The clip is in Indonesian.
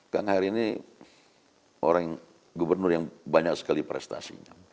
kang aher ini gubernur yang banyak sekali prestasinya